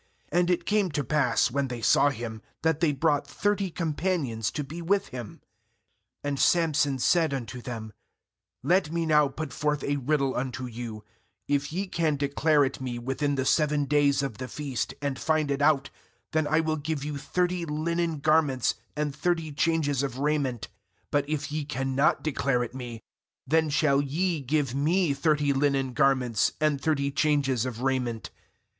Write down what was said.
uAnd it came to pass, when they saw him, that they brought thirty companions to be with him. ^And Samson said unto them: 'Let me now put forth a riddle unto you; if ye can declare it me within the seven days of the feast, and find it out, then I will give you thirty linen garments and thirty changes of raiment; Mbut if ye cannot declare it me, then shall ye give me thirty linen garments and thirty changes of raiment.'